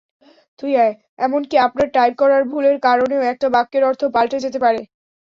এমনকি আপনার টাইপ করার ভুলের কারণেও একটা বাক্যের অর্থ পাল্টে যেতে পারে।